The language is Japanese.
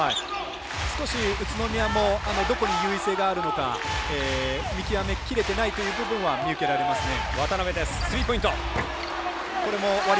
少し宇都宮もどこに優位性があるのか見極めきれてないという部分は見受けられますね。